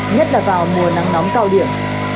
nhất là vào mùa nắng nóng cao điểm